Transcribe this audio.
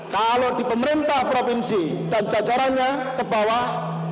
kalau di pemerintah provinsi dan jajarannya ke bawah